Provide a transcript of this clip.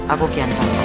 aku kian santang